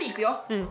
うん。